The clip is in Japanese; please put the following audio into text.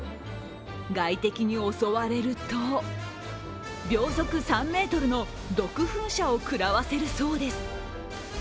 外敵に襲われると、秒速３ｍの毒噴射を食らわせるそうです。